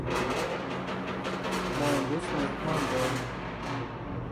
ما امروز مهمان داریم.